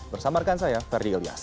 bersama rekan saya ferdi ilyas